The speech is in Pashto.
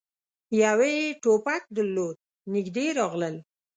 يوه يې ټوپک درلود. نږدې راغلل،